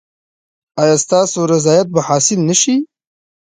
ایا ستاسو رضایت به حاصل نه شي؟